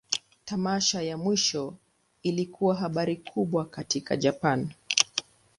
Tamasha ya mwisho ilikuwa habari kubwa katika Japan.